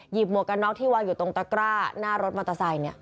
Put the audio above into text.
หมวกกันน็อกที่วางอยู่ตรงตะกร้าหน้ารถมอเตอร์ไซค์